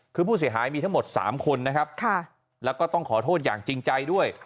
คือผู้เสียหายมีทั้งหมด๓คนนะครับแล้วก็ต้องขอโทษอย่างจริงใจด้วย